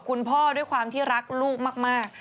คุณพ่อด้วยความที่รักลูกมาก